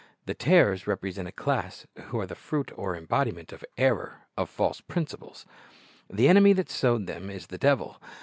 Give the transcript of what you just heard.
The tares represent a class who are the fruit or embodiment of error, of false principles. "The enemy that sowed them is the devil."